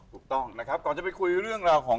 ถูกต้องนะครับก่อนจะไปคุยเรื่องราวของ